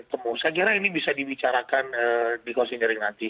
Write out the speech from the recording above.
saya kira ini bisa dibicarakan dikosin dari nanti